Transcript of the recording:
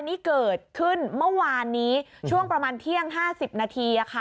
นี่เกิดขึ้นเมื่อวานนี้ช่วงประมาณเที่ยง๕๐นาทีค่ะ